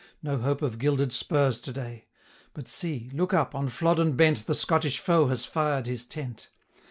No hope of gilded spurs to day. But see! look up on Flodden bent The Scottish foe has fired his tent.'